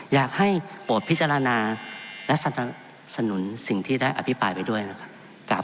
อยากให้โปรดพิจารณาและสนับสนุนสิ่งที่ได้อภิปรายไปด้วยนะครับ